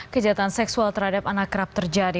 kejahatan seksual terhadap anak kerap terjadi